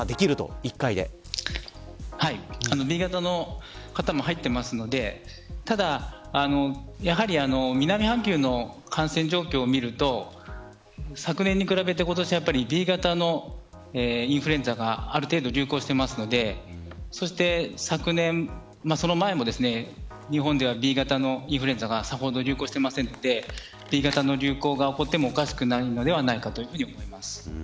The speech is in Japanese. Ｂ型の方も入っていますのでただ南半球の感染状況を見ると昨年に比べて今年はＢ型のインフルエンザがある程度流行していますのでその前も日本ではＢ型のインフルエンザがさほど流行してませんのでＢ型の流行が起こってもおかしくないと思います。